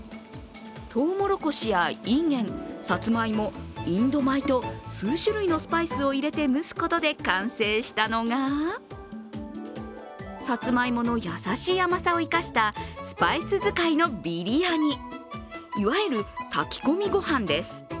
とうもろこしやインゲン、さつまいも、インド米と数種類のスパイスを入れて蒸すことで完成したのが、さつまいもの優しい甘さを生かしたスパイス使いのビリヤニ、いわゆる炊き込みご飯です。